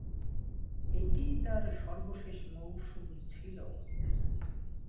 এটিই তার সর্বশেষ মৌসুম ছিল।